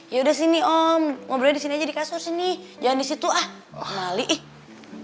yaudah sini om ngobrolnya disini aja di kasur sini jangan disitu ah mali ih